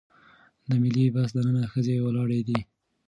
د ملي بس دننه ښځې ولاړې دي.